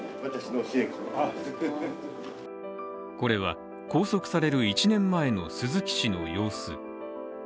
これは拘束される１年前の鈴木氏の様子。